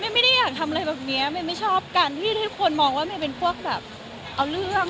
ไม่ได้อยากทำอะไรแบบนี้เมย์ไม่ชอบการที่ทุกคนมองว่าเมย์เป็นพวกแบบเอาเรื่อง